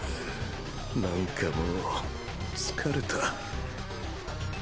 なんかもう疲れた。